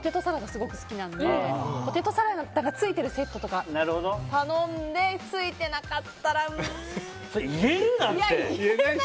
すごく好きなんでポテトサラダがついてるセットとかを頼んでついていなかったらうーん。